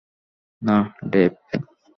না, ডেভ।